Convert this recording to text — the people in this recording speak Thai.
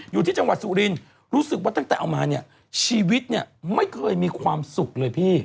อยู่ที่จังหวัดสุรินทร์รู้สึกว่าตั้งแต่เอามาเนี่ยชีวิตเนี่ยไม่เคยมีความสุขเลยพี่